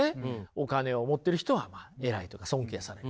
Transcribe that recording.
お金を持っている人は偉いとか尊敬される。